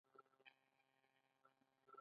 قبر د زړه درزونه اراموي.